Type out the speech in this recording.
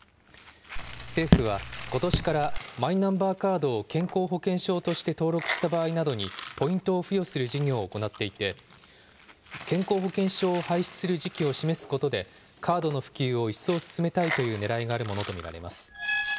政府は、ことしからマイナンバーカードを健康保険証として登録した場合などに、ポイントを付与する事業を行っていて、健康保険証を廃止する時期を示すことで、カードの普及を一層進めたいというねらいがあるものと見られます。